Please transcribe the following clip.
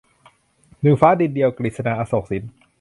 หนึ่งฟ้าดินเดียว - กฤษณา อโศกสิน